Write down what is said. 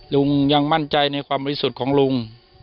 ลุงยังมั่นใจในความบริสุทธิ์ของลุง